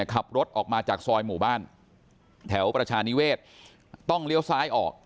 ขับรถออกมาจากซอยหมู่บ้านแถวประชานิเวศต้องเลี้ยวซ้ายออก